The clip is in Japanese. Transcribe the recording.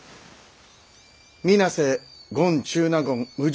水無瀬権中納言氏